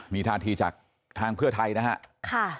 มีทางที่จากทางเพื่อไทยนะฮะ